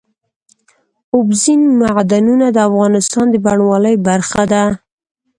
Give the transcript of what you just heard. اوبزین معدنونه د افغانستان د بڼوالۍ برخه ده.